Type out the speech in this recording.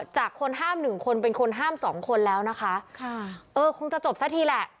จากคนห้ามหนึ่งคนเป็นคนห้ามสองคนแล้วนะคะค่ะเออคงจะจบซะทีแหละ